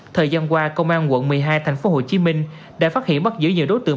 thời gian qua công an quận một mươi hai tp hcm đã phát hiện bắt giữ nhiều đối tượng